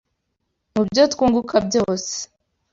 Mu byo twunguka byose